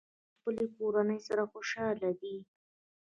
هغوی له خپلې کورنۍ سره خوشحاله دي